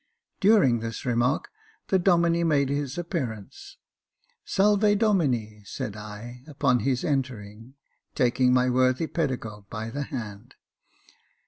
During this remark the Domine made his appearance, *' Salve Domine, ^^ said I, upon his entering, taking my worthy pedagogue by the hand.